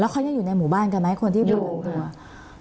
อ๋อแล้วเขายังอยู่ในหมู่บ้านกันไหมคนที่อยู่ตัว